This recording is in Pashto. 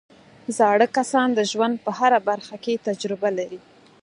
زاړه کسان د ژوند په هره برخه کې تجربه لري